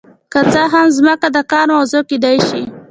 که څه هم ځمکه د کار موضوع کیدای شي.